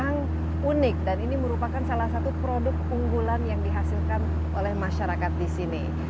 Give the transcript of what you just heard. yang unik dan ini merupakan salah satu produk unggulan yang dihasilkan oleh masyarakat di sini